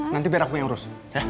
nanti biar aku yang urus